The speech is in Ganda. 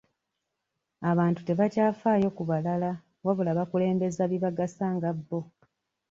Abantu tebakyafaayo ku balala wabula bakulembeza bibagasa nga bbo.